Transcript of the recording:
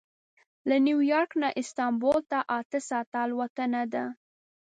له نیویارک نه استانبول ته اته ساعته الوتنه ده.